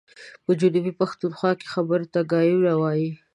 په جنوبي پښتونخوا کي خبرو ته ګايونه وايي.